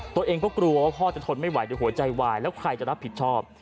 ตัวเองก็กลัวว่าพ่อจะทนไม่ไหวเดี๋ยวหัวใจวายแล้วใครจะรับผิดชอบ